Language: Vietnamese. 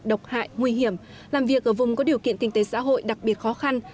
độc hại nguy hiểm làm việc ở vùng có điều kiện kinh tế xã hội đặc biệt khó khăn